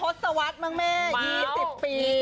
ทศวรรษมั้งแม่๒๐ปี